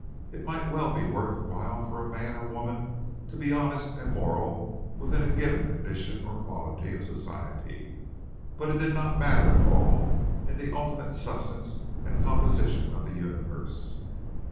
It might well be worth while for a man or woman to be honest and moral within a given condition or quality of society, but it did not matter at all in the ultimate substance and composition of the universe.